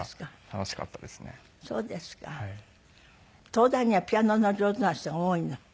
東大にはピアノのお上手な人が多いの？